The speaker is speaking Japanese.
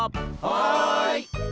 はい！